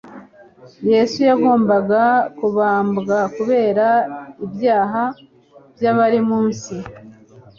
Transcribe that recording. Yesu yagombaga kubambwa kubera ibyaha by'abari mu isi.